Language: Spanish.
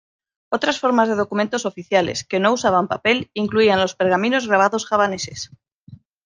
Otras formas de documentos oficiales, que no usaban papel, incluían los pergaminos grabados javaneses.